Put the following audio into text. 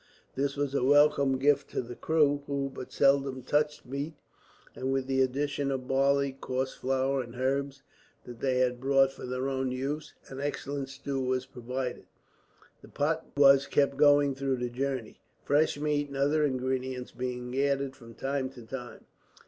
This was a welcome gift to the crew, who but seldom touched meat; and with the addition of barley, coarse flour, and herbs that they had brought for their own use, an excellent stew was provided. The pot was kept going through the journey, fresh meat and other ingredients being added, from time to time.